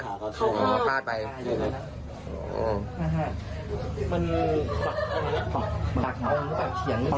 เนื้อปากเขา